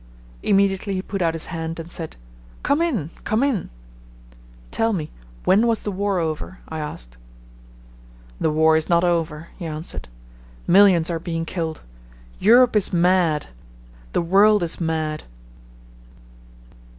Immediately he put out his hand and said, "Come in. Come in." "Tell me, when was the war over?" I asked. "The war is not over," he answered. "Millions are being killed. Europe is mad. The world is mad."